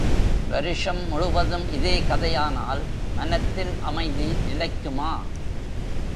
வருஷம் முழுவதும் இதே கதையானால் மனத்தில் அமைதி நிலைக்குமா?